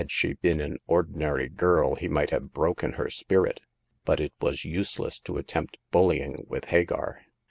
279 she been an ordinary girl, he might have broken her spirit ; but it was useless to attempt bully ing with Hagar.